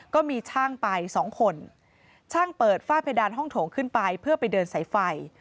ก็มีช่างไปสองคนช่างเปิดฝ้าเพดานห้องโถงขึ้นไปเพื่อไปเดินสายไฟ